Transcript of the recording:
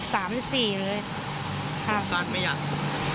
ผมสั้นไม่อยาก